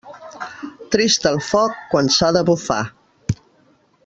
Trist el foc quan s'ha de bufar.